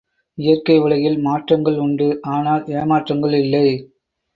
இயற்கை உலகில் மாற்றங்கள் உண்டு ஆனால் ஏமாற்றங்கள் இல்லை.